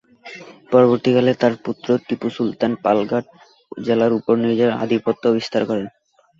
পরবর্তীকালে তার পুত্র টিপু সুলতান পালঘাট জেলার উপর নিজের আধিপত্য বিস্তার করেন।